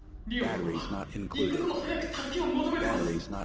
りおんさまは一刻も早く助けを求めてます！